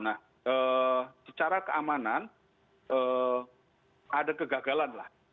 nah secara keamanan ada kegagalan lah